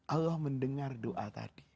allah mendengar doa tadi